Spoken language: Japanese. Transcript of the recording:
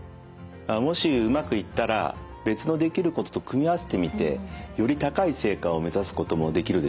もしうまくいったら別のできることと組み合わせてみてより高い成果を目指すこともできるでしょう。